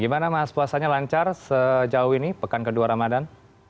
gimana mas puasanya lancar sejauh ini pekan kedua ramadan